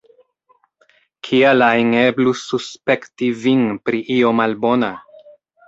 Kial ajn eblus suspekti vin pri io malbona!